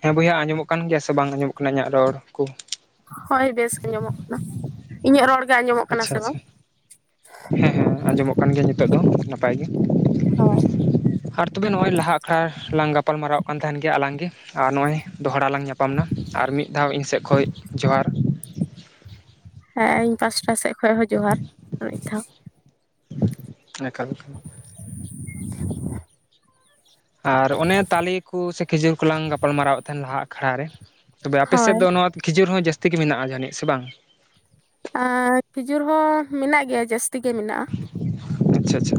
ᱦᱮᱸ ᱵᱚᱭᱦᱟ ᱟᱸᱡᱚᱢᱚᱜ ᱠᱟᱱ ᱜᱮᱭᱟ ᱥᱮ ᱵᱟᱝ ᱟᱸᱡᱚᱢᱚᱜ ᱠᱟᱱᱟ ᱤᱧᱟᱹᱜ ᱨᱚᱲ ᱠᱩ ᱦᱳᱭ ᱵᱮᱥ ᱜᱮ ᱧᱚᱢᱚᱜ ᱠᱟᱱᱟ ᱤᱧᱟᱹᱜ ᱨᱚᱲ ᱜᱮ ᱟᱸᱡᱚᱢᱚᱜ ᱠᱟᱱᱟ ᱟᱪᱪᱷᱟ ᱥᱮ ᱵᱟᱝ? ᱟᱪᱪᱷᱟ ᱦᱮᱸ ᱦᱮᱸ ᱟᱸᱡᱚᱢᱚᱜ ᱠᱟᱱ ᱜᱮᱭᱟ ᱧᱤᱛᱚᱜ ᱫᱚ ᱱᱟᱯᱟᱭ ᱜᱤ᱾ ᱦᱳᱭ ᱟᱨ ᱛᱚᱵᱮ ᱱᱚᱜᱼᱚᱭ ᱞᱟᱦᱟ ᱟᱠᱷᱲᱟ ᱞᱟᱝ ᱜᱟᱯᱟᱞ ᱢᱟᱨᱟᱣ ᱠᱟᱱ ᱛᱟᱦᱮᱱ ᱜᱮᱭᱟ ᱟᱞᱟᱝ ᱜᱤ᱾ ᱟᱨ ᱱᱚᱜᱼᱚᱭ ᱫᱚᱦᱲᱟ ᱞᱟᱝ ᱧᱟᱯᱟᱢ ᱮᱱᱟ ᱟᱨ ᱢᱤᱫ ᱫᱷᱟᱣ ᱤᱧ ᱥᱮᱫ ᱠᱷᱚᱡ ᱡᱚᱦᱟᱨ᱾ ᱦᱮᱸ ᱤᱧ ᱯᱟᱥᱴᱟ ᱥᱮᱫ ᱠᱷᱚᱡ ᱦᱚᱸ ᱡᱚᱦᱟᱨ ᱟᱨ ᱢᱤᱫᱫᱷᱟᱣ᱾ ᱮᱠᱟᱞ ᱮᱠᱟᱞ [inaudible] ᱟᱨ ᱚᱱᱮ ᱛᱟᱞᱮ ᱠᱩ ᱥᱮ ᱠᱷᱤᱡᱩᱨ ᱠᱚᱞᱟᱝ ᱜᱟᱯᱟᱞ ᱢᱟᱨᱟᱣᱮᱫ ᱛᱟᱦᱮᱸᱱ ᱞᱟᱦᱟ‌ ‌‌‍‌‍ᱟᱠᱷᱲᱟ ᱨᱮ᱾ ᱛᱚᱵᱮ ᱟᱯᱮ ᱥᱮᱫ ᱦᱳᱭ ᱫᱚ ᱱᱚᱣᱟ ᱠᱷᱤᱡᱩᱨ ᱦᱚᱸ ᱡᱟᱹᱥᱛᱤ ᱜᱮ ᱢᱮᱱᱟᱜᱼᱟ ᱡᱟᱹᱱᱤᱡ ᱥᱮ ᱵᱟᱝ? ᱟᱨ ᱠᱷᱤᱡᱩᱨ ᱦᱚᱸ ᱢᱮᱱᱟᱜ ᱜᱮᱭᱟ ᱡᱟᱹᱥᱛᱤ ᱜᱮ ᱢᱮᱱᱟᱜᱼᱟ᱾ [inaudible] ᱟᱪᱪᱷᱟ ᱟᱪᱪᱷᱟ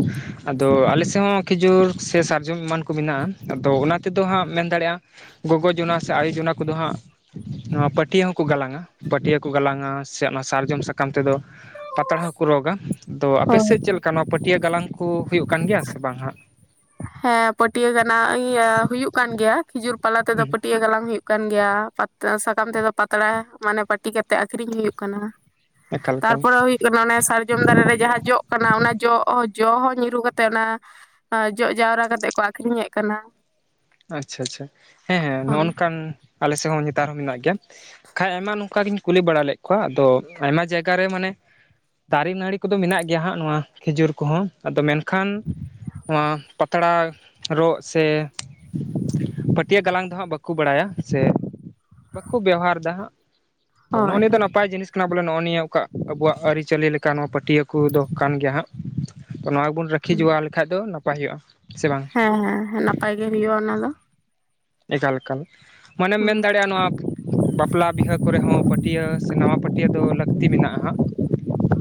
ᱟᱫᱚ ᱟᱞᱮᱥᱮᱫ ᱦᱚᱸ ᱠᱷᱤᱡᱩᱨ ᱥᱮ ᱥᱟᱨᱡᱚᱢ ᱮᱢᱟᱱ ᱠᱚ ᱢᱮᱱᱟᱜ-ᱟ, ᱟᱫᱚ ᱚᱱᱟ ᱛᱮᱫᱚ ᱦᱟᱸᱜ ᱢᱮᱱ ᱫᱟᱲᱮᱭᱟᱜᱼᱟᱢ ᱜᱚᱜᱚ ᱡᱚᱱᱟ ᱥᱮ ᱟᱭᱳ ᱡᱚᱱᱟ ᱠᱚᱫᱚ ᱦᱟᱸᱜ, ᱱᱚᱣᱟ ᱯᱟᱹᱴᱭᱟᱹ ᱦᱚᱸᱠᱚ ᱜᱟᱞᱟᱝᱼᱟ, ᱯᱟᱹᱴᱭᱟᱹ ᱠᱚ ᱜᱟᱞᱟᱝᱼᱟ ᱥᱮ ᱚᱱᱟ ᱥᱟᱨᱡᱚᱢ ᱥᱟᱠᱟᱢ ᱛᱮᱫᱚ, ᱯᱟᱛᱲᱟ ᱦᱚᱸᱠᱚ ᱨᱚᱜᱟ ᱟᱫᱚ ᱦᱳᱭ ᱟᱯᱮᱥᱮᱫ ᱪᱮᱫᱮᱠᱟ ᱱᱚᱣᱟ ᱯᱟᱹᱴᱭᱟᱹ ᱜᱟᱞᱟᱝ ᱠᱚ ᱦᱩᱭᱩᱜ ᱠᱟᱱ ᱜᱮᱭᱟ ᱥᱮ ᱵᱟᱝ-ᱟ? ᱦᱮᱸ ᱯᱟᱹᱴᱭᱟᱹ ᱜᱟᱞᱟᱝ ᱤᱭᱟᱹ ᱦᱩᱭᱩᱜ ᱠᱟᱱ ᱜᱮᱭᱟ ᱠᱷᱤᱡᱩᱨ ᱯᱟᱞᱟ ᱛᱮᱫᱚ ᱦᱩᱸ ᱯᱟᱹᱴᱭᱟᱹ ᱜᱟᱞᱟᱝ ᱦᱩᱭᱩᱜ ᱦᱩᱭᱩᱜ ᱠᱟᱱ ᱜᱮᱭᱟ ᱯᱟᱛ ᱥᱟᱠᱟᱢ ᱛᱮᱫᱚ ᱯᱟᱛᱲᱟ ᱢᱟᱱᱮ ᱯᱟᱹᱴᱤ ᱠᱟᱛᱮᱜ ᱟᱠᱷᱨᱤᱧ ᱦᱩᱭᱩᱜ ᱠᱟᱱᱟ᱾ ᱮᱠᱟᱞ ᱮᱠᱟᱞ ᱛᱟᱨᱯᱚᱨᱮ ᱦᱩᱭᱩᱜ ᱠᱟᱱᱟ ᱚᱱᱮ ᱥᱟᱨᱡᱚᱢ ᱫᱟᱨᱮ ᱨᱮ ᱡᱟᱦᱟᱸ ᱡᱚᱜ ᱠᱟᱱᱟ ᱚᱱᱟ ᱡᱚ ᱡᱚ ᱦᱚᱸ ᱧᱤᱨᱩᱨᱩ ᱠᱟᱛᱮᱜ ᱚᱱᱟ ᱡᱚᱜ ᱡᱟᱣᱨᱟ ᱠᱟᱛᱮᱫ ᱠᱚ ᱟᱠᱷᱨᱤᱧᱮᱫ ᱠᱟᱱᱟ᱾ ᱟᱪᱪᱷᱟ ᱟᱪᱪᱷᱟ ᱦᱮᱸ ᱦᱮᱸ ᱱᱚᱜᱼ ᱦᱳᱭ ᱱᱚᱝᱠᱟᱱ ᱟᱞᱮ ᱥᱮᱫ ᱦᱚᱸ ᱱᱮᱛᱟᱨ ᱦᱚᱸ ᱢᱮᱱᱟᱜ ᱜᱮᱭᱟ᱾ ᱠᱷᱟᱡ ᱟᱭᱢᱟ ᱱᱚᱝᱠᱟ ᱜᱤᱧ ᱠᱩᱞᱤ ᱵᱟᱲᱟ ᱞᱮᱫ ᱠᱚᱣᱟ ᱟᱫᱚ ᱟᱭᱢᱟ ᱡᱟᱭᱜᱟ ᱨᱮ ᱢᱟᱱᱮ ᱫᱟᱨᱮ ᱱᱟᱹᱲᱤ ᱠᱚᱫᱚ ᱢᱮᱱᱟᱜ ᱜᱮᱭᱟ ᱦᱟᱸᱜ ᱱᱚᱣᱟ ᱠᱷᱤᱡᱩᱨ ᱠᱚᱦᱚᱸ ᱟᱫᱚ ᱢᱮᱱ ᱠᱷᱟᱱ ᱱᱚᱣᱟ ᱯᱟᱛᱲᱟ ᱨᱚᱜ ᱥᱮ ᱯᱟᱹᱴᱭᱟᱹ ᱜᱟᱞᱟᱝ ᱫᱚ ᱦᱟᱸᱜ ᱵᱟᱠᱚ ᱵᱟᱲᱟᱭᱟ, ᱥᱮ ᱵᱟᱠᱚ ᱵᱮᱣᱦᱟᱨᱫᱟ ᱦᱟᱸᱜ᱾ ᱛᱚ ᱱᱚᱜᱼᱚ ᱦᱳᱭ ᱱᱤᱭᱟᱹ ᱫᱚ ᱦᱳᱭ ᱱᱟᱯᱟᱭ ᱡᱤᱱᱤᱥ ᱠᱟᱱᱟ ᱵᱚᱞᱮ ᱱᱚᱜᱼᱚᱭ ᱱᱤᱭᱟᱹ ᱚᱠᱟ ᱟᱵᱚᱣᱟᱜ ᱟᱹᱨᱤᱪᱟᱹᱞᱤ ᱞᱮᱠᱟ ᱱᱚᱣᱟ ᱯᱟᱹᱴᱭᱟᱹ ᱠᱚᱫᱚ ᱠᱟᱱ ᱜᱮᱭᱟ ᱦᱟᱸᱜ᱾ ᱛᱚ ᱱᱚᱣᱟ ᱜᱮᱵᱚᱱ ᱨᱟᱠᱷᱤ ᱡᱚᱣᱟ ᱞᱮᱠᱷᱟᱡ ᱫᱚ ᱱᱟᱯᱟᱭ ᱦᱩᱭᱩᱜᱼᱟ᱾ ᱥᱮ ᱵᱟᱝ ᱦᱮᱸ ᱦᱮᱸ ᱱᱟᱯᱟᱭ ᱜᱮ ᱦᱩᱭᱩᱜᱼᱟ ᱚᱱᱟ ᱫᱚ᱾ ᱮᱠᱟᱞ ᱮᱠᱟᱞ ᱢᱟᱱᱮᱢ ᱦᱩᱸ ᱢᱮᱱ ᱫᱟᱲᱮᱭᱟᱜᱼᱟ ᱱᱚᱣᱟ ᱵᱟᱯᱞᱟ ᱵᱤᱦᱟᱹ ᱠᱚᱨᱮ ᱦᱚᱸ ᱯᱟᱹᱴᱭᱟᱹ ᱥᱮ ᱱᱟᱣᱟ ᱯᱟᱹᱴᱭᱟᱹ ᱫᱚ ᱞᱟᱹᱠᱛᱤ ᱢᱮᱱᱟᱜᱼᱟ᱾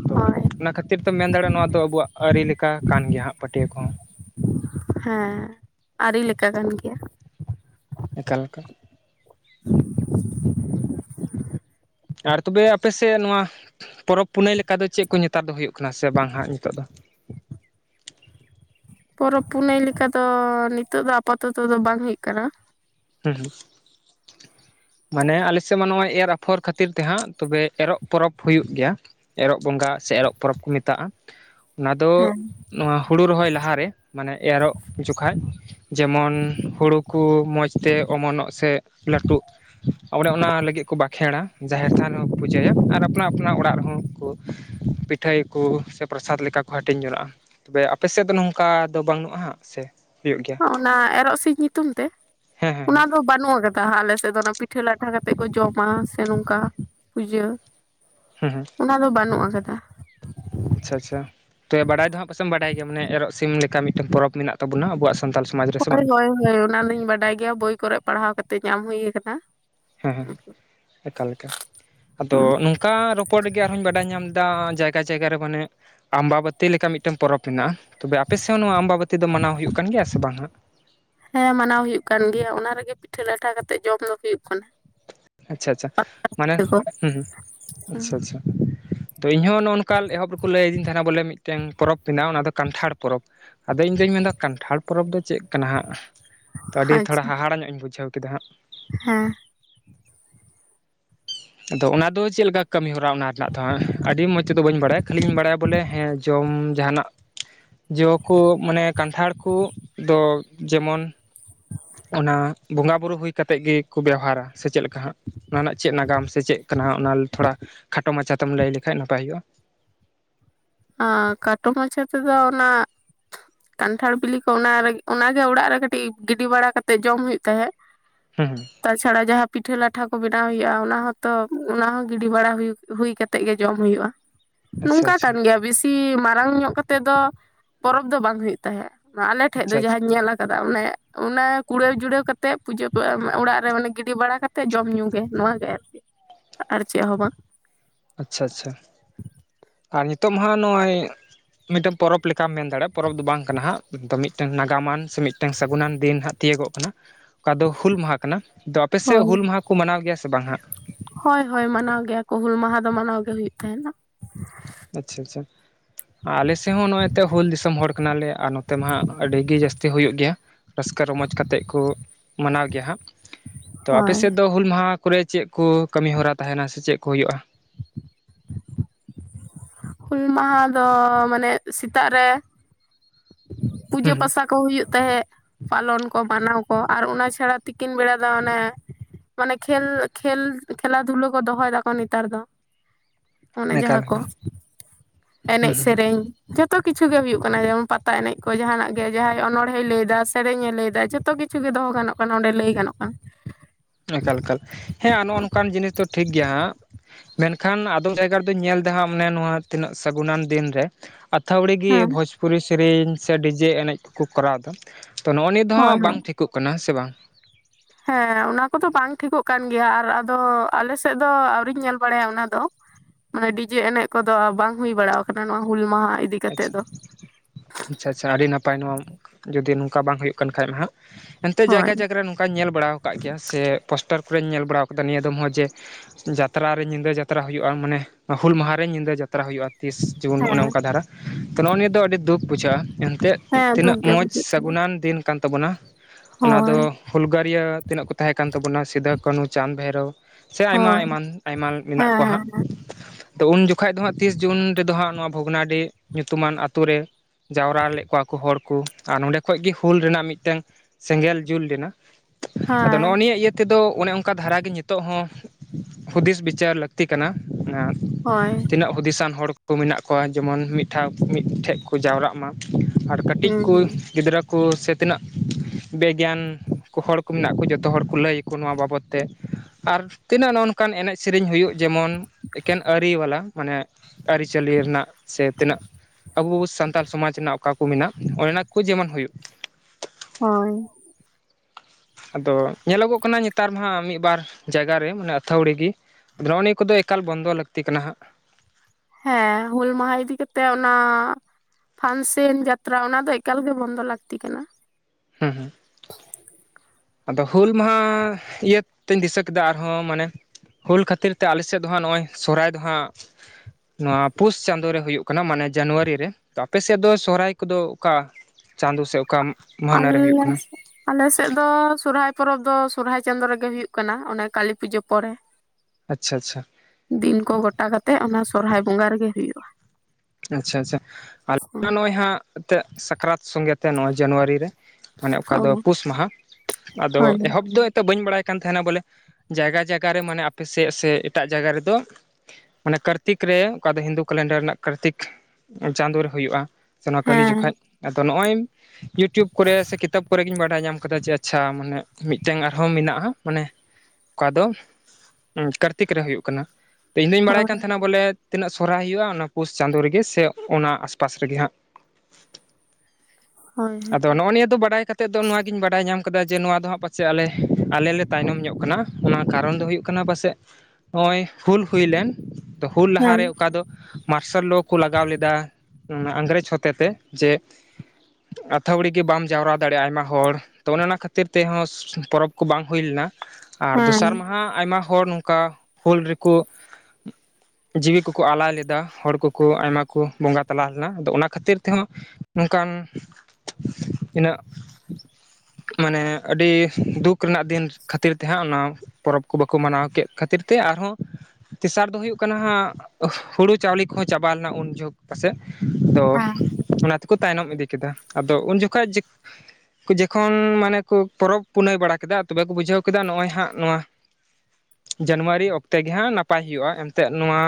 ᱛᱚ ᱦᱳᱭ ᱚᱱᱟ ᱠᱷᱟᱹᱛᱤᱨ ᱛᱮᱢ ᱢᱮᱱ ᱫᱟᱲᱮᱭᱟᱜᱼᱟ ᱱᱚᱣᱟ ᱫᱚ ᱟᱵᱚᱣᱟᱜ ᱟᱹᱨᱤ ᱞᱮᱠᱟ ᱠᱟᱱ ᱜᱮᱭᱟ ᱦᱟᱸᱜ ᱯᱟᱹᱴᱭᱟᱹ ᱠᱚᱦᱚᱸ᱾ ᱦᱮᱸ ᱟᱹᱨᱤ ᱞᱮᱠᱟ ᱠᱟᱱ ᱜᱮᱭᱟ᱾ ᱮᱠᱟᱞ ᱮᱠᱟᱞ [inaudible] ᱟᱨ ᱛᱚᱵᱮ ᱟᱯᱮᱥᱮᱫ ᱱᱚᱣᱟ ᱯᱚᱨᱚᱵᱽ ᱯᱩᱱᱟᱹᱭ ᱞᱮᱠᱟ ᱫᱚ ᱪᱮᱫ ᱠᱚ ᱱᱮᱛᱟᱨ ᱫᱚ ᱦᱩᱭᱩᱜ ᱠᱟᱱᱟ ᱥᱮ ᱵᱟᱝ ᱦᱟᱸᱜ ᱱᱤᱛᱚᱜ ᱫᱚ? ᱯᱚᱨᱚᱵᱽ ᱯᱩᱱᱟᱹᱭ ᱞᱮᱠᱟ ᱫᱚ ᱱᱤᱛᱚᱜ ᱫᱚ ᱟᱯᱟᱛᱚᱛᱚ ᱫᱚ ᱵᱟᱝ ᱦᱩᱭᱩᱜ ᱠᱟᱱᱟ᱾ ᱦᱩᱸ ᱦᱩᱸ ᱢᱟᱱᱮ ᱟᱞᱮᱥᱮᱫ ᱢᱟ ᱱᱚᱣᱟ ᱮᱨ ᱟᱯᱷᱚᱨ ᱠᱷᱟᱹᱛᱤᱨᱛᱮ ᱦᱟᱸᱜ ᱛᱚᱵᱮ ᱮᱨᱚᱜ ᱯᱚᱨᱚᱵᱽ ᱦᱩᱭᱩᱜ ᱜᱮᱭᱟ᱾ ᱮᱨᱚᱜ ᱵᱚᱸᱜᱟ ᱥᱮ ᱮᱨᱚᱜ ᱯᱚᱨᱚᱵᱽ ᱠᱚ ᱢᱮᱛᱟᱜᱼᱟ, ᱚᱱᱟ ᱫᱚ ᱦᱮᱸ ᱱᱚᱣᱟ ᱦᱩᱲᱩ ᱨᱚᱦᱚᱭ ᱞᱟᱦᱟᱨᱮ᱾ ᱢᱟᱱᱮ ᱮᱨᱚᱜ ᱡᱠᱷᱟᱡ ᱡᱮᱢᱚᱱ ᱦᱩᱲᱩ ᱠᱚ ᱢᱚᱡᱽ ᱛᱮ ᱚᱢᱚᱱᱚᱜ ᱥᱮ ᱞᱟᱹᱴᱩᱜ ᱚᱱᱮ ᱚᱱᱟ ᱞᱟᱹᱜᱤᱫ ᱠᱚ ᱵᱟᱸᱠᱷᱮᱲᱟ ᱡᱟᱦᱮᱨ ᱛᱷᱟᱱ ᱨᱮ ᱦᱚᱸᱠᱚ ᱯᱩᱡᱟᱹᱭᱟ ᱟᱨ ᱟᱯᱱᱟ ᱟᱯᱱᱟᱨ ᱚᱲᱟᱜ ᱨᱮᱦᱚᱸ ᱠᱚ ᱯᱤᱴᱷᱟᱹᱭᱟ ᱠᱚ ᱥᱮ ᱯᱨᱚᱥᱟᱫ ᱞᱮᱠᱟ ᱠᱚ ᱦᱟᱹᱴᱤᱧ ᱡᱚᱱᱟᱜᱼᱟ᱾ ᱛᱚᱵᱮ ᱟᱯᱮ ᱥᱮᱫ ᱫᱚ ᱱᱚᱝᱠᱟ ᱫᱚ ᱵᱟᱹᱱᱩᱜᱼᱟ ᱦᱟᱸᱜ ᱥᱮ ᱦᱩᱭᱩᱜ ᱜᱮᱭᱟ? ᱚᱱᱟ ᱮᱨᱚᱜ ᱥᱤ ᱧᱩᱛᱩᱢ ᱛᱮ ᱦᱮᱸ ᱦᱮᱸ ᱚᱱᱟ ᱫᱚ ᱵᱟᱹᱱᱩᱜ ᱟᱠᱟ ᱠᱟᱦᱟ ᱟᱞᱮᱥᱮᱫ ᱫᱚ ᱚᱱᱟ ᱯᱤᱴᱷᱟᱹ ᱞᱟᱴᱷᱟ ᱠᱟᱛᱮᱫ ᱠᱚ ᱡᱚᱢᱟ, ᱥᱮ ᱱᱚᱝᱠᱟ ᱯᱩᱡᱟᱹ ᱦᱮᱸ ᱦᱮᱸ ᱚᱱᱟ ᱫᱚ ᱵᱟᱹᱱᱩᱜ ᱟᱠᱟᱫᱟ ᱟᱪᱷᱟ ᱟᱪᱷᱟ ᱛᱚᱵᱮ ᱵᱟᱰᱟᱭ ᱫᱚ ᱯᱟᱥᱮᱢ ᱵᱟᱰᱟᱭ ᱜᱮᱭᱟ ᱢᱟᱱᱮ ᱮᱨᱚᱜ ᱥᱤᱢ ᱞᱮᱠᱟ ᱢᱤᱫᱴᱟᱝ ᱯᱚᱨᱚᱵᱽ ᱢᱮᱱᱟᱜ ᱛᱟᱵᱚᱱᱟ ᱟᱵᱚᱣᱟᱜ ᱥᱟᱱᱛᱟᱞ ᱥᱚᱢᱟᱡᱽ ᱨᱮ ᱥᱮ ᱦᱳᱭ ᱵᱟᱝ ᱦᱳᱭ ᱦᱳᱭ ᱚᱱᱟ ᱫᱚᱧ ᱵᱟᱰᱟᱭ ᱜᱮᱭᱟ ᱵᱳᱭ ᱠᱚᱨᱮ ᱯᱟᱲᱦᱟᱣ ᱠᱟᱛᱮ ᱧᱟᱢ ᱦᱩᱭ ᱟᱠᱟᱱᱟ ᱾ ᱦᱮᱸ ᱮᱠᱟᱞ ᱮᱠᱟᱞ ᱟᱫᱚ ᱱᱚᱝᱠᱟ ᱾ ᱠᱟ ᱨᱚᱯᱚᱲᱨᱮᱜᱮ ᱟᱨᱦᱚᱧ ᱵᱟᱰᱟᱭ ᱧᱟᱢᱮᱫᱟ ᱡᱟᱭᱜᱟ ᱡᱟᱭᱜᱟ ᱨᱮ ᱢᱟᱱᱮ ᱟᱢᱵᱟᱵᱟᱹᱛᱤ ᱞᱮᱠᱟ ᱢᱤᱫᱴᱟᱝ ᱯᱚᱨᱚᱵᱽ ᱢᱮᱱᱟᱜᱼᱟ ᱛᱚᱵᱮ ᱟᱯᱮᱥᱫ ᱦᱚᱸ ᱱᱚᱣᱟ ᱟᱢᱵᱟᱵᱟᱹᱛᱤ ᱫᱚ ᱢᱟᱱᱟᱣ ᱦᱩᱭᱩᱜ ᱠᱟᱱ ᱜᱮᱭᱟ ᱥᱮ ᱵᱟᱝ ᱦᱟᱸᱜ ᱾ ᱦᱮᱸ ᱢᱟᱱᱟᱣ ᱦᱩᱭᱩᱜ ᱠᱟᱱ ᱜᱮᱭᱟ ᱚᱱᱟ ᱨᱮᱜᱮ ᱯᱤᱴᱷᱟᱹ ᱞᱟᱴᱷᱟ ᱠᱟᱛᱮᱜ ᱡᱚᱢ ᱫᱚ ᱦᱩᱭᱩᱜ ᱠᱟᱱᱟ ᱾ ᱟᱪᱷᱟ ᱟᱪᱷᱟ ᱢᱟᱱᱮ ᱦᱮᱸ ᱟᱪᱷᱟ ᱟᱪᱷᱟ ᱛᱚ ᱤᱧᱚᱸ ᱱᱚᱜ-ᱱᱚᱝᱠᱟ ᱮᱦᱚᱵ ᱨᱮᱠᱚ ᱞᱟᱹᱭ ᱟᱹᱫᱤᱧ ᱛᱟᱦᱮᱱᱟ ᱵᱚᱞᱮ ᱢᱤᱫᱴᱮᱱ ᱯᱚᱨᱚᱵᱽ ᱢᱮᱱᱟᱜᱼᱟ ᱚᱱᱟ ᱫᱚ ᱠᱟᱱᱴᱷᱟᱲ ᱯᱚᱨᱚᱵᱽ ᱟᱫᱚ ᱤᱧᱫᱚᱧ ᱢᱮᱱᱫᱟ ᱠᱟᱱᱴᱷᱟᱲ ᱯᱚᱨᱚᱵᱽ ᱫᱚ ᱪᱮᱫ ᱠᱟᱱᱟ ᱦᱟᱸᱜ ᱛᱚ ᱟᱹᱰᱤ ᱛᱷᱚᱲᱟ ᱟᱪᱪᱷᱟ ᱦᱟᱦᱟᱲᱟᱜ ᱧᱚᱜ ᱤᱧ ᱵᱩᱡᱷᱟᱹᱣ ᱠᱮᱫᱟ ᱦᱟᱸᱜ ᱾ ᱦᱮᱸ ᱟᱫᱚ ᱚᱱᱟ ᱫᱚ ᱪᱮᱫ ᱞᱮᱠᱟ ᱠᱟᱹᱢᱤ ᱦᱚᱨᱟ ᱚᱱᱟᱴᱟᱜ ᱫᱚ ᱟᱹᱰᱤ ᱢᱚᱡᱽ ᱛᱮᱫᱚ ᱵᱟᱹᱧ ᱵᱟᱲᱟᱭᱟ ᱠᱷᱟᱹᱞᱤᱧ ᱵᱟᱲᱟᱭᱟ ᱵᱚᱞᱮ ᱦᱮᱸ ᱡᱚᱢ ᱡᱟᱦᱟᱱᱟᱜ ᱡᱚ ᱠᱚ ᱢᱟᱱᱮ ᱠᱟᱱᱛᱷᱟᱲ ᱠᱚᱫᱚ ᱡᱮᱢᱚᱱ ᱚᱱᱟ ᱵᱚᱸᱜᱟ ᱵᱩᱨᱩ ᱦᱩᱭ ᱠᱟ ᱠᱟᱛᱮᱫ ᱜᱮᱠᱚ ᱵᱮᱣᱦᱟᱨᱟ ᱥᱮ ᱪᱮᱫᱞᱮᱠᱟ ᱦᱟᱸᱜ ᱾ ᱚᱱᱟ ᱨᱮᱱᱟᱜ ᱪᱮᱫ ᱱᱟᱜᱟᱢ ᱥᱮ ᱪᱮᱫ ᱠᱟᱱᱟ ᱚᱱᱟ ᱛᱷᱚᱲᱟ ᱠᱷᱟᱴᱚ ᱢᱟᱪᱷᱟᱛᱮᱢ ᱞᱟᱹᱭ ᱞᱮᱠᱷᱟᱡ ᱱᱟᱯᱟᱭ ᱦᱳᱭᱳᱜᱼᱟ ᱾ ᱠᱷᱟᱴᱚ ᱢᱟᱪᱷᱟ ᱛᱮᱫᱚ ᱚᱱᱟ ᱾ ᱠᱟᱱᱴᱷᱟᱲ ᱵᱤᱞᱤ ᱠᱚ ᱚᱱᱟᱨᱮ ᱚᱱᱟᱜᱮ ᱚᱲᱟᱜ ᱨᱮ ᱠᱟᱹᱴᱤᱡ ᱜᱤᱰᱤ ᱵᱟᱲᱟ ᱠᱟᱛᱮ ᱡᱚᱢ ᱦᱩᱭᱩᱜ ᱛᱟᱦᱮᱸᱫ ᱾ ᱦᱩᱸ ᱦᱩᱸ [inaudible] ᱛᱟᱪᱷᱟᱲᱟ ᱡᱟᱦᱟᱸ ᱯᱤᱴᱷᱟᱹ ᱞᱟᱴᱷᱟ ᱠᱚ ᱵᱮᱱᱟᱣ ᱦᱩᱭᱩᱜᱼᱟ ᱚᱱᱟ ᱦᱚᱸᱛᱚ ᱚᱱᱟ ᱦᱚᱸ ᱜᱤᱰᱤ ᱵᱟᱲᱟ ᱦᱩᱭ ᱠᱟᱛᱮ ᱠᱟᱛᱮᱫ ᱜᱮ ᱡᱚᱢ ᱦᱩᱭᱩᱜᱼᱟ ᱾ ᱟᱪᱪᱷᱟ ᱱᱚᱝᱠᱟ ᱟᱪᱪᱷᱟ ᱠᱟᱱ ᱜᱮᱭᱟ ᱵᱮᱥᱤ ᱢᱟᱨᱟᱝ ᱧᱚᱜ ᱠᱟᱛᱮᱜ ᱫᱚ ᱯᱚᱨᱚᱵᱽ ᱫᱚ ᱵᱟᱝ ᱦᱩᱭᱩᱜ ᱛᱟᱦᱮᱸᱫ ᱾ ᱟᱞᱮ ᱴᱷᱮᱡ ᱟᱪᱪᱷᱟ ᱫᱚ ᱟᱪᱪᱷᱟ ᱡᱟᱦᱟᱸᱧ ᱧᱮᱞ ᱚᱱᱮ ᱚᱱᱟ ᱠᱩᱲᱟᱹᱣ ᱡᱩᱲᱟᱹᱣ ᱠᱟᱛᱮ ᱯᱩᱡᱟᱹ ᱚᱲᱟᱜ ᱨᱮ ᱢᱟᱱᱮ ᱜᱤᱰᱤ ᱵᱟᱲᱟ ᱠᱟᱛᱮ ᱛᱮ ᱡᱚᱢ ᱧᱩ ᱜᱮ ᱱᱚᱣᱟ ᱜᱮ ᱟᱨᱠᱤ ᱟᱨ ᱪᱮᱫ ᱦᱚᱸ ᱵᱟᱝ ᱟᱪᱷᱟ ᱟᱪᱷᱟ ᱟᱨ ᱱᱤᱛᱳᱜ ᱢᱟ ᱱᱚᱜᱼᱚᱭ ᱾ ᱢᱤᱫᱴᱟᱝ ᱯᱚᱨᱚᱵᱽ ᱞᱮᱠᱟᱢ ᱢᱮᱱ ᱫᱟᱲᱮᱭᱟᱜᱼᱟ ᱯᱚᱨᱚᱵᱽ ᱫᱚ ᱵᱟᱝ ᱠᱟᱱᱟ ᱦᱟᱸᱜ ᱢᱤᱫᱴᱟᱝ ᱱᱟᱜᱟᱢᱟᱱ ᱥᱮ ᱢᱤᱫᱴᱟᱝ ᱥᱟᱹᱜᱩᱱᱟᱱ ᱫᱤᱱ ᱦᱟᱸᱜ ᱾ ᱛᱤᱭᱳᱟᱹᱜᱚᱜ ᱠᱟᱱᱟ ᱚᱠᱟ ᱫᱚ ᱦᱩᱞ ᱢᱟᱦᱟ ᱠᱟᱱᱟ ᱟᱫᱚ ᱟᱯᱮᱥᱮᱫ ᱦᱳᱭ ᱦᱩᱞ ᱢᱟᱦᱟ ᱠᱚ ᱢᱟᱱᱟᱣ ᱜᱮᱭᱟ ᱥᱮ ᱵᱟᱝ ᱦᱟᱸᱜ? ᱦᱳᱭ ᱦᱳᱭ ᱢᱟᱱᱟᱣ ᱜᱮᱭᱟ ᱠᱚ ᱦᱩᱞ ᱢᱟᱦᱟ ᱫᱚ ᱢᱟᱱᱟᱣ ᱜᱮ ᱦᱩᱭᱩᱜ ᱛᱟᱦᱮᱱᱟ ᱾ ᱟᱪᱷᱟ ᱟᱪᱷᱟ ᱾ ᱟᱞᱮ ᱥᱮᱫ ᱦᱚᱸ ᱱᱚᱜᱼᱚᱭ ᱛᱚ ᱦᱩᱞ ᱫᱤᱥᱚᱢ ᱦᱚᱲ ᱠᱟᱱᱟᱞᱮ ᱟᱨ ᱱᱚᱛᱮ ᱢᱟᱜ ᱟᱹᱰᱤ ᱜᱮ ᱡᱟᱹᱥᱛᱤ ᱦᱩᱭᱩᱜ ᱜᱮᱭᱟ ᱾ ᱨᱟᱹᱥᱠᱟᱹ ᱨᱚᱢᱚᱡᱽ ᱠᱟᱛᱮᱜ ᱠᱚ ᱢᱟᱱᱟᱣ ᱜᱮᱭᱟ ᱦᱟᱸᱜ ᱛᱚ ᱟᱯᱮ ᱦᱳᱭ ᱥᱮᱫ ᱫᱚ ᱾ ᱦᱩᱞ ᱢᱟᱦᱟ ᱠᱚᱨᱮ ᱪᱮᱫ ᱠᱚ ᱠᱟᱹᱢᱤ ᱦᱚᱨᱟ ᱛᱟᱦᱮᱱᱟ ᱥᱮ ᱪᱮᱫ ᱠᱚ ᱦᱩᱭᱩᱜᱼᱟ ᱾ ᱦᱩᱞ ᱢᱟᱦᱟ ᱫᱚ ᱢᱟᱱᱮ ᱥᱮᱛᱟᱜ ᱨᱮ ᱯᱩᱡᱟᱹ ᱦᱩᱸ ᱯᱟᱥᱟ ᱠᱚ ᱦᱩᱭᱩᱜ ᱛᱟᱦᱮᱸᱜ ᱯᱟᱞᱚᱱ ᱠᱚ ᱢᱟᱱᱟᱣ ᱠᱚ ᱟᱨ ᱚᱱᱟ ᱪᱷᱟᱲᱟ ᱛᱤᱠᱤᱱ ᱵᱮᱲᱟ ᱫᱚ ᱚᱱᱮ ᱢᱟᱱᱮ ᱠᱷᱮᱞ ᱠᱷᱮᱞ ᱠᱷᱮᱞᱟ ᱫᱷᱩᱞᱟᱹ ᱠᱚ ᱫᱚᱦᱚᱭ ᱫᱟᱠᱚ ᱱᱮᱛᱟᱨ ᱫᱚ [inaudible] ᱚᱱᱮ ᱮᱠᱟᱞ ᱡᱟᱦᱟᱸ ᱠᱚ ᱮᱠᱟᱞ ᱦᱩᱸ ᱮᱱᱮᱡ ᱦᱩᱸ ᱥᱮᱨᱮᱧ ᱡᱚᱛᱚ ᱠᱤᱪᱷᱩ ᱜᱮ ᱦᱩᱭᱩᱜ ᱠᱟᱱᱟ ᱡᱮᱢᱚᱱ ᱯᱟ ᱯᱟᱛᱟ ᱮᱱᱮᱡ ᱠᱚ ᱡᱟᱦᱟᱱᱟᱜ ᱜᱮ ᱡᱟᱦᱟᱸᱭ ᱚᱱᱚᱬᱦᱮ ᱞᱟᱹᱭᱫᱟ ᱥᱮᱨᱮᱧ ᱮ ᱞᱟᱹᱭᱫᱟ ᱡᱚᱛᱚ ᱠᱤᱪᱷᱩ ᱜᱮ ᱫᱚᱦᱚ ᱜᱟᱱᱚᱜ ᱠᱟᱱᱟ ᱚᱸᱰᱮ ᱞᱟᱹᱭ ᱜᱟᱱᱚᱜ ᱠᱟᱱᱟ ᱮᱠᱟᱞ ᱮᱠᱟᱞ ᱦᱮᱸ ᱱᱚᱜᱼᱚ ᱱᱚᱝᱠᱟᱱ ᱡᱤᱱᱤᱥ ᱫᱚ ᱴᱷᱤᱠ ᱜᱮᱭᱟ ᱦᱟᱸᱜ ᱢᱮᱱᱠᱷᱟᱱ ᱟᱫᱚᱢ ᱡᱟᱭᱜᱟ ᱨᱮᱫᱚᱧ ᱧᱮᱞᱫᱟ ᱦᱟᱸᱜᱮ ᱱᱚᱣᱟ ᱛᱤᱱᱟᱹᱜ ᱥᱟᱹᱜᱩᱱᱟᱱ ᱫᱤᱱ ᱨᱮ ᱟᱱᱷᱟᱵᱲᱤ ᱜᱮ ᱦᱮᱸ ᱵᱷᱳᱡᱽᱯᱩᱨᱤ ᱥᱮᱨᱮᱧ ᱥᱮ ᱰᱤᱡᱮ ᱮᱱᱮᱡ ᱠᱚᱠᱚ ᱠᱚᱨᱟᱣᱫᱟ ᱛᱚ ᱱᱚᱜᱚ ᱱᱤᱭᱟᱹ ᱫᱚ ᱦᱳᱭ ᱦᱟᱸᱜ ᱵᱟᱝ ᱦᱳᱭ ᱴᱷᱤᱠ ᱴᱤᱠᱩᱜ ᱠᱟᱱᱟ ᱥᱮ ᱵᱟᱝ ᱾ ᱦᱮᱸ ᱚᱱᱟ ᱠᱚᱫᱚ ᱵᱟᱝ ᱴᱷᱤᱠᱚᱜ ᱠᱟᱱ ᱜᱮᱭᱟ ᱟᱨ ᱟᱫᱚ ᱟᱞᱮ ᱥᱮᱫ ᱫᱚ ᱟᱹᱣᱨᱤᱧ ᱧᱮᱞ ᱵᱟᱲᱟᱭᱟ ᱚᱱᱟ ᱫᱚ ᱢᱟᱱᱮ ᱰᱤᱡᱮ ᱮᱱᱮᱡ ᱠᱚᱫᱚ ᱵᱟᱝ ᱦᱩᱭ ᱵᱟᱲᱟ ᱠᱟᱱᱟ ᱱᱚᱣᱟ ᱦᱩᱞ ᱢᱟᱦᱟ ᱟᱪᱷᱟ ᱠᱟᱛᱮᱜ ᱫᱚ ᱾ ᱟᱪᱷᱟ ᱟᱪᱷᱟ ᱟᱹᱰᱤ ᱱᱟᱯᱟᱭ ᱱᱚᱣᱟ ᱡᱩᱫᱤ ᱱᱚᱝᱠᱟ ᱵᱟᱝ ᱦᱩᱭᱩᱜ ᱠᱟᱱ ᱠᱷᱟᱡ ᱢᱟ ᱦᱟᱸᱜ ᱾ ᱮᱱᱛᱮᱜ ᱡᱟᱭᱜᱟ ᱦᱳᱭ ᱡᱟᱭᱜᱟ ᱨᱮ ᱱᱚᱝᱠᱟᱧ ᱧᱮᱞ ᱵᱟᱲᱟ ᱠᱟᱫ ᱜᱮᱭᱟ ᱥᱮ ᱯᱳᱥᱴᱟᱨ ᱠᱚᱨᱮᱧ ᱧᱮᱞ ᱵᱟᱲᱟ ᱟᱠᱟᱫᱟ ᱱᱤᱭᱟᱹ ᱫᱚᱢ ᱦᱚᱸ ᱡᱮ ᱡᱟᱛᱨᱟ ᱨᱮ ᱧᱤᱫᱟᱹ ᱡᱟᱛᱨᱟ ᱦᱩᱭᱩᱜᱼᱟ ᱢᱟᱱᱮ ᱦᱩᱞ ᱢᱟᱦᱟ ᱨᱮ ᱧᱤᱫᱟᱹ ᱡᱟᱛᱨᱟ ᱦᱩᱭᱩᱜᱼᱟ ᱛᱤᱥ ᱡᱮᱢᱚᱱ ᱚᱱᱮ ᱦᱮᱸ ᱚᱱᱠᱟ ᱫᱷᱟᱨᱟ ᱛᱚ ᱱᱚᱜᱼᱚ ᱱᱤᱭᱟᱹ ᱟᱹᱰᱤ ᱫᱩᱠᱷ ᱵᱩᱡᱷᱟᱹᱜᱼᱟ᱾ ᱪᱮᱫᱽ ᱦᱮᱸ ᱫᱩᱠ ᱛᱤᱱᱟᱹᱜ ᱜᱮ ᱢᱚᱸᱡᱽ ᱵᱩᱡᱷᱟᱹᱜ ᱛᱟᱦᱮᱸ ᱥᱟᱹᱜᱩᱱᱟᱱ ᱫᱤᱱ ᱠᱟᱱ ᱛᱟᱵᱚᱱᱟ ᱚᱱᱟ ᱫᱚ ᱦᱩᱞᱜᱟᱹᱨᱤᱭᱟᱹ ᱛᱤᱱᱟᱹᱜ ᱠᱚ ᱛᱟᱦᱮᱸ ᱠᱟᱱ ᱛᱟᱵᱚᱱᱟ ᱥᱤᱫᱟᱹ ᱠᱟᱹᱱᱦᱩ ᱪᱟᱸᱫᱽ ᱵᱷᱟᱭᱨᱳ ᱥᱮ ᱟᱭᱢᱟ ᱮᱢᱟᱱ ᱟᱭᱢᱟᱱ ᱢᱮᱱᱟᱜ ᱠᱚᱣᱟ ᱦᱟᱸᱜ ᱟᱫᱚ ᱩᱱ ᱡᱚᱠᱷᱟᱜ ᱫᱚ ᱦᱟᱸᱜ ᱛᱤᱨᱤᱥ ᱡᱩᱱ ᱨᱮᱫᱚ ᱦᱟᱸᱜ ᱱᱚᱣᱟ ᱵᱷᱚᱜᱽᱱᱟᱰᱤ ᱧᱩᱛᱩᱢᱟᱱ ᱟᱛᱩ ᱨᱮ ᱡᱟᱣᱨᱟ ᱞᱮᱫ ᱠᱚᱣᱟ ᱠᱚ ᱦᱚᱲ ᱠᱚ ᱟᱨ ᱱᱚᱸᱰᱮ ᱠᱷᱚᱡᱽ ᱜᱮ ᱦᱩᱞ ᱨᱮᱱᱟᱜ ᱢᱤᱫᱴᱮᱱ ᱥᱮᱸᱜᱮᱞ ᱡᱩᱞ ᱞᱮᱱᱟ ᱟᱫᱚ ᱱᱚᱜᱼᱚ ᱱᱤᱭᱟᱹ ᱤᱭᱟᱹ ᱛᱮᱫᱚ ᱚᱱᱮ ᱚᱱᱠᱟ ᱫᱷᱟᱨᱟᱜᱮ ᱱᱤᱛᱚᱜ ᱦᱚᱸ ᱦᱩᱫᱤᱥ ᱵᱤᱪᱟᱹᱨ ᱞᱟᱹᱠᱛᱤ ᱠᱟᱱᱟ ᱟᱸ ᱦᱳᱭ ᱩᱱᱟᱹᱜ ᱦᱩᱫᱤᱥᱟᱱ ᱦᱚᱲ ᱠᱚ ᱢᱮᱱᱟᱜ ᱠᱚᱣᱟ ᱡᱮᱢᱚᱱ ᱢᱤᱫᱴᱷᱟᱣ ᱢᱤᱫᱴᱷᱮᱡ ᱠᱚ ᱡᱟᱣᱨᱟᱜ ᱢᱟ ᱟᱨ ᱠᱟᱹᱴᱤᱡᱽ ᱠᱚ ᱜᱤᱫᱽᱨᱟᱹ ᱠᱚ ᱥᱮ ᱛᱤᱱᱟᱹᱜ ᱵᱮ ᱜᱮᱭᱟᱱ ᱠᱚ ᱦᱚᱲ ᱠᱚ ᱢᱮᱱᱟᱜ ᱠᱚ ᱡᱚᱛᱚ ᱦᱚᱲ ᱠᱚ ᱞᱟᱹᱭ ᱟᱠᱚ ᱱᱚᱣᱟ ᱵᱟᱵᱚᱫ ᱛᱮ ᱟᱨ ᱛᱤᱱᱟᱹᱜ ᱱᱚ ᱱᱚᱝᱠᱟᱱ ᱮᱱᱮᱡ ᱥᱮᱨᱮᱧ ᱦᱩᱭᱩᱜ ᱡᱮᱢᱚᱱ ᱮᱠᱮᱱ ᱟᱹᱨᱤ ᱵᱟᱞᱟ ᱢᱟᱱᱮ ᱟᱹᱨᱤ ᱪᱟᱹᱞᱤ ᱨᱮᱱᱟᱜ ᱥᱮ ᱛᱤᱱᱟᱹᱜ ᱟᱵᱩ ᱥᱟᱱᱛᱟᱞ ᱥᱚᱢᱟᱡᱽ ᱨᱮᱱᱟᱜ ᱚᱠᱟ ᱠᱚ ᱢᱮᱱᱟᱜ ᱚᱱᱟ ᱱᱟᱸᱜ ᱠᱚ ᱡᱮᱢᱚᱱ ᱦᱩᱭᱩᱜ ᱦᱳᱭ ᱟᱫᱚ ᱧᱮᱞᱚᱜᱚᱜ ᱠᱟᱱᱟ ᱱᱮᱛᱟᱨ ᱢᱟ ᱢᱤᱫ ᱵᱟᱨ ᱡᱟᱭᱜᱟ ᱨᱮ ᱢᱟᱱᱮ ᱟᱹᱛᱷᱟᱹᱣᱲᱤ ᱜᱤ ᱫᱨᱚᱱᱤᱭ ᱠᱚᱫᱚ ᱮᱠᱟᱞ ᱵᱚᱱᱫᱚ ᱞᱟᱹᱠᱛᱤ ᱠᱟᱱᱟ ᱦᱟᱸᱜ ᱦᱮᱸ ᱦᱩᱞ ᱢᱟᱦᱟ ᱤᱫᱤ ᱠᱟᱛᱮᱜ ᱚᱱᱟ ᱯᱷᱟᱱᱥᱮᱱ ᱡᱟᱛᱨᱟ ᱚᱱᱟ ᱫᱚ ᱮᱠᱟᱞ ᱜᱮ ᱵᱚᱱᱫᱚ ᱞᱟᱹᱠᱛᱤ ᱠᱟᱱᱟ ᱦᱩᱸ ᱦᱩᱸ ᱟᱫᱚ ᱦᱩᱞ ᱢᱟᱸᱦᱟ ᱤᱭᱟᱹ ᱛᱤᱧ ᱫᱤᱥᱟᱹ ᱠᱮᱫᱟ ᱟᱨᱦᱚᱸ ᱢᱟᱱᱮ ᱦᱩᱞ ᱠᱷᱟᱹᱛᱤᱨ ᱛᱮ ᱟᱞᱮ ᱥᱮᱫ ᱫᱚ ᱦᱟᱸᱜ ᱱᱚᱜᱼᱚᱭ ᱥᱚᱨᱟᱭ ᱫᱚ ᱦᱟᱸᱜ ᱱᱚᱣᱟ ᱯᱩᱥ ᱪᱟᱸᱫᱳ ᱨᱮ ᱦᱳᱭᱳᱜ ᱠᱟᱱᱟ ᱢᱟᱱᱮ ᱡᱟᱱᱩᱣᱟᱨᱤ ᱨᱮ ᱟᱯᱮ ᱥᱮᱫ ᱫᱚ ᱥᱚᱦᱨᱟᱭ ᱠᱚᱫᱚ ᱚᱠᱟ ᱪᱟᱸᱫᱚ ᱥᱮ ᱚᱠᱟ ᱢᱟᱹᱦᱱᱟᱹ ᱨᱮ ᱦᱩᱭᱩᱜ ᱠᱟᱱᱟ [unintelligible] ᱟᱞᱮᱥᱮᱫ ᱫᱚ ᱥᱚᱨᱦᱟᱭ ᱯᱚᱨᱚᱵᱽ ᱫᱚ ᱥᱚᱨᱦᱟᱭ ᱪᱟᱸᱫᱳ ᱨᱮᱜᱮ ᱦᱩᱭᱩᱜ ᱠᱟᱱᱟ ᱚᱱᱮ ᱠᱟᱹᱞᱤ ᱯᱩᱡᱟᱹ ᱯᱚᱨᱮ ᱟᱪᱪᱷᱟ ᱟᱪᱪᱷᱟ ᱫᱤᱱ ᱠᱚ ᱜᱚᱴᱟ ᱠᱟᱛᱮᱜ ᱚᱱᱟ ᱥᱚᱨᱦᱟᱭ ᱵᱚᱸᱜᱟ ᱨᱮᱜᱮ ᱦᱩᱭᱩᱜᱼᱟ᱾ ᱟᱪᱪᱷᱟ ᱟᱪᱪᱷᱟ ᱟᱞᱮ ᱱᱚᱜᱼᱚᱭ ᱦᱟᱸᱜ ᱛᱮᱫ ᱥᱟᱠᱨᱟᱛ ᱥᱚᱸᱜᱮ ᱛᱮ ᱱᱚᱭ ᱡᱟᱱᱩᱣᱟᱨᱤ ᱨᱮ ᱢᱟᱱᱮ ᱚᱠᱟ ᱫᱚ ᱦᱳᱭ, ᱯᱩᱥ ᱢᱟᱦᱟ ᱟᱫᱚ ᱦᱳᱭ, ᱮᱦᱚᱵᱽ ᱫᱚ ᱮᱛᱳ ᱵᱟᱹᱧ ᱵᱟᱲᱟᱭ ᱠᱟᱱ ᱛᱟᱱᱟ ᱵᱚᱞᱮ ᱡᱟᱭᱜᱟ ᱡᱟᱭᱜᱟ ᱨᱮ ᱢᱟᱱᱮ ᱟᱯᱮ ᱥᱮᱫ ᱥᱮ ᱮᱴᱟᱜ ᱡᱟᱭᱜᱟ ᱨᱮᱫᱚ ᱢᱟᱱᱮ ᱠᱟᱨᱛᱤᱠ ᱨᱮ ᱚᱠᱟ ᱫᱚ ᱦᱤᱱᱫᱩ ᱠᱮᱞᱮᱱᱰᱟᱨ ᱨᱮᱱᱟᱜ ᱠᱟᱨᱛᱤᱠ ᱪᱟᱸᱫᱳ ᱨᱮ ᱦᱩᱭᱩᱜᱼᱟ ᱥᱮ ᱱᱚᱣᱟ ᱠᱟᱹᱞᱤ ᱦᱮᱸ, ᱡᱚᱠᱷᱟᱡᱽ ᱟᱫᱚ ᱱᱚᱜᱼᱚᱭ ᱤᱭᱩᱴᱩᱵᱽ ᱠᱚᱨᱮ ᱥᱮ ᱠᱤᱛᱟᱹᱵ ᱠᱚᱨᱮ ᱜᱤᱧ ᱵᱟᱰᱟᱭ ᱧᱟᱢ ᱠᱟᱫᱟ ᱡᱮ ᱟᱪᱪᱷᱟ ᱢᱟᱱᱮ ᱢᱤᱫᱴᱮᱱ ᱟᱨᱦᱚᱸ ᱢᱮᱱᱟᱜᱼᱟ ᱢᱟᱱᱮ ᱚᱠᱟ ᱫᱚ ᱠᱟᱨᱛᱤᱠ ᱨᱮ ᱦᱩᱭᱩᱜ ᱠᱟᱱᱟ᱾ ᱤᱧ ᱫᱩᱧ ᱵᱟᱲᱟᱭ ᱦᱳᱭ, ᱠᱟᱱ ᱛᱟᱦᱮᱱᱟ ᱵᱚᱞᱮ ᱛᱤᱱᱟᱹᱜ ᱥᱚᱨᱦᱟᱭ ᱦᱩᱭᱩᱜᱼᱟ ᱚᱱᱟ ᱯᱩᱥ ᱪᱟᱸᱫᱳ ᱨᱮᱜᱮ ᱥᱮ ᱚᱱᱟ ᱟᱥᱯᱟᱥ ᱨᱮᱜᱮ ᱦᱟᱸᱜ ᱦᱳᱭ, ᱟᱫᱚ ᱱᱚᱜ ᱱᱤᱭᱟᱹ ᱫᱚ ᱵᱟᱰᱟᱭ ᱠᱟᱜ ᱛᱮᱫ ᱫᱚ ᱱᱚᱣᱟ ᱜᱤᱧ ᱵᱟᱰᱟᱭ ᱧᱟᱢ ᱠᱟᱫᱟ ᱡᱮ ᱱᱚᱣᱟ ᱫᱚ ᱦᱟᱸᱜ ᱯᱟᱪᱮᱜ ᱟᱞᱮ ᱟᱞᱮ ᱞᱮ ᱛᱟᱭᱱᱚᱢ ᱧᱚᱜ ᱠᱟᱱᱟ ᱚᱱᱟ ᱠᱟᱨᱚᱱ ᱫᱚ ᱦᱩᱭᱩᱜ ᱠᱟᱱᱟ ᱯᱟᱥᱮᱡ ᱱᱚᱜᱼᱚᱭ ᱦᱩᱞ ᱦᱩᱭ ᱞᱮᱱ ᱛᱚ ᱦᱩᱞ ᱦᱮᱸ, ᱞᱟᱦᱟᱨᱮ ᱚᱠᱟ ᱫᱚ ᱢᱟᱨᱥᱟᱞ ᱞᱚ ᱠᱚ ᱞᱟᱜᱟᱣ ᱞᱮᱫᱟ ᱟᱝᱨᱮᱡᱽ ᱦᱚᱛᱮᱛᱮ ᱡᱮ ᱟᱹᱛᱷᱟᱹᱣᱲᱤ ᱜᱮ ᱵᱟᱢ ᱡᱟᱣᱨᱟ ᱫᱟᱲᱮᱭᱟᱜᱼᱟ ᱟᱭᱢᱟ ᱦᱚᱲ ᱛᱚ ᱚᱱᱮ ᱚᱱᱟ ᱠᱷᱟᱹᱛᱤᱨ ᱛᱮᱦᱚᱸ ᱯᱚᱨᱚᱵᱽ ᱠᱚ ᱵᱟᱝ ᱦᱩᱭ ᱞᱮᱱᱟ ᱟᱨ ᱦᱮᱸ, ᱫᱚᱥᱟᱨ ᱢᱟᱦᱟ ᱟᱭᱢᱟ ᱦᱚᱲ ᱱᱚᱝᱠᱟ ᱦᱩᱞ ᱨᱮᱠᱚ ᱡᱤᱣᱤ ᱠᱚᱠᱚ ᱟᱞᱟᱭ ᱞᱮᱫᱟ ᱾ ᱦᱚᱲ ᱠᱩᱠᱩ ᱟᱭᱢᱟ ᱠᱩ ᱵᱚᱸᱜᱟ ᱛᱟᱞᱟ ᱞᱮᱱᱟ ᱟᱫᱚ ᱚᱱᱟ ᱠᱷᱟᱹᱛᱤᱨ ᱛᱮᱦᱚᱸ ᱱᱚᱝᱠᱟᱱ ᱤᱱᱟᱹᱜ ᱢᱟᱱᱮ ᱟᱹᱰᱤ ᱫᱩᱠ ᱨᱮᱱᱟᱜ ᱫᱤᱱ ᱠᱷᱟᱹᱛᱤᱨ ᱛᱮᱦᱟᱸᱜ ᱚᱱᱟ ᱯᱚᱨᱚᱵᱽ ᱠᱚ ᱵᱟᱠᱩ ᱢᱟᱱᱟᱣ ᱠᱮᱜ ᱠᱷᱟᱹᱛᱤᱨ ᱛᱮ ᱟᱨᱦᱚᱸ ᱛᱮᱥᱟᱨ ᱫᱚ ᱦᱩᱭᱩᱜ ᱠᱟᱱᱟ ᱦᱟᱸᱜ ᱦᱩᱲᱩ ᱪᱟᱣᱞᱮ ᱠᱷᱚᱸ ᱪᱟᱵᱟ ᱞᱮᱱᱟ ᱩᱱ ᱡᱳᱠ ᱯᱟᱥᱮᱡᱽ ᱛᱚ ᱦᱮᱸ, ᱚᱱᱟᱛ ᱠᱩ ᱛᱟᱭᱱᱚᱢ ᱤᱫᱤ ᱠᱮᱫᱟ ᱟᱫᱚ ᱩᱱ ᱡᱚᱠᱷᱟᱡᱽ ᱡᱚᱠᱷᱚᱱ ᱢᱟᱱᱮ ᱠᱩ ᱯᱚᱨᱚᱵᱽ ᱯᱩᱱᱟᱹᱭ ᱵᱟᱲᱟ ᱠᱮᱫᱟ ᱛᱚᱵᱮ ᱠᱚ ᱵᱩᱡᱷᱟᱹᱣ ᱠᱮᱫᱟ ᱱᱚᱜᱼᱚᱭ ᱦᱟᱸᱜ ᱱᱚᱣᱟ ᱡᱟᱹᱱᱩᱣᱟᱹᱨᱤ ᱚᱠᱛᱮ ᱜᱮ ᱦᱟᱸᱜ ᱱᱟᱯᱟᱭ ᱦᱩᱭᱩᱜᱼᱟ ᱮᱱᱛᱮᱜ ᱱᱚᱣᱟ